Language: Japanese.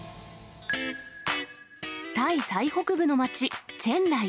タイ最北部の街、チェンライ。